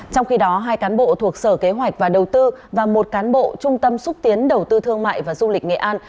trong khi đó hai cán bộ thuộc sở kế hoạch và đầu tư và một cán bộ trung tâm xúc tiến đầu tư thương mại và du lịch nghệ an